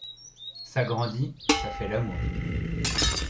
Ça grandit, ça fait l’amour!